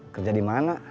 kerja di mana